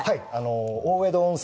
大江戸温泉。